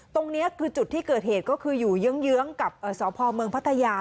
ตรงนี้คือจุดที่เกิดเหตุก็คืออยู่เยื้องกับสพเมืองพัทยา